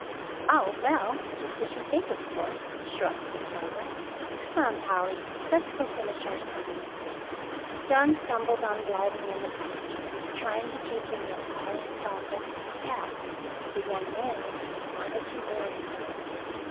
"Oh, well, just as you think, of course," shrugged Matilda. "Come on, Polly; let's go finish our sewing." Dawn stumbled on blindly in the pasture, trying to take in the appalling thought that perhaps the young man wanted to marry her!